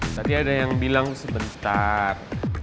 tadi ada yang bilang sebentar